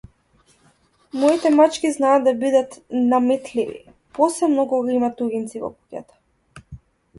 Моите мачки знаат да бидат наметливи, посебно кога има туѓинци во куќата.